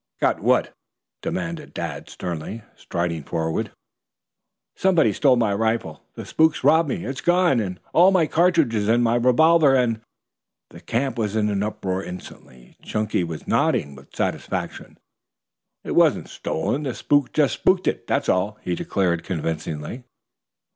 "Got what?" demanded Dad sternly, striding forward. "Somebody's stolen my rifle. The spook's robbed me. It's gone and all my cartridges and my revolver and " The camp was in an uproar instantly. Chunky was nodding with satisfaction. "It wasn't stolen. The spook just spooked it, that's all," he declared convincingly.